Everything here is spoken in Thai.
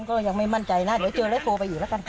ก็ยังไม่มั่นใจนะเดี๋ยวเจอเล็กตัวไปอยู่แล้วกัน